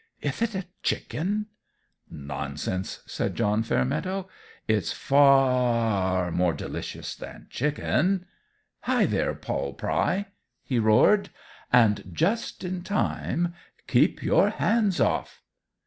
"Ith it a chicken?" "Nonsense!" said John Fairmeadow; "it's fa a a ar more delicious than chicken. Hi, there, Poll Pry!" he roared, and just in time; "keep your hands off."